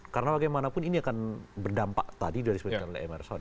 karena bagaimanapun ini akan berdampak tadi dari sebetulnya dari emerson